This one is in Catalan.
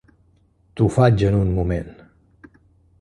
T'ho faig en un moment.